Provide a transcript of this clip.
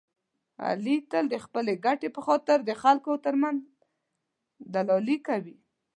علي تل د خپلې ګټې په خاطر د خلکو ترمنځ دلالي کوي.